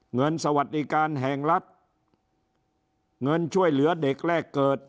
สวัสดีการแห่งรัฐเงินช่วยเหลือเด็กแรกเกิด